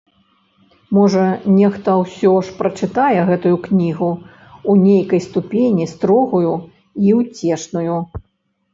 Можа, нехта ўсё ж прачытае гэтую кнігу, у нейкай ступені строгую і ўцешную.